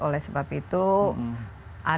oleh sebab itu ada